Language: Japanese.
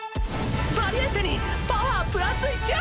バリエンテにパワープラス１億！